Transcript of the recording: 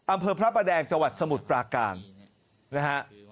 อำเภอพระประแดงจสมุทรปลากราณนะฮะ